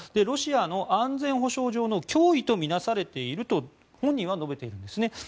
ロシアの安全保障上の脅威と見なされていると本人は述べているんですね。